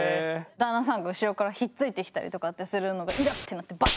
旦那さんが後ろからひっついてきたりとかってするのでえっ